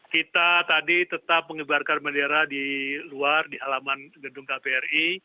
kita tadi tetap mengembarkan bendera di luar di alaman gedung kpri